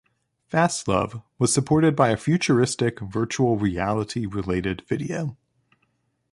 "Fastlove" was supported by a futuristic virtual reality-related video.